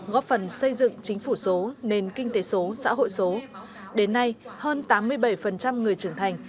góp phần xây dựng chính phủ số nền kinh tế số xã hội số đến nay hơn tám mươi bảy người trưởng thành